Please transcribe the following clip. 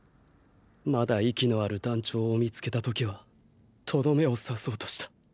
まだ息のある団長を見つけた時はとどめを刺そうとした。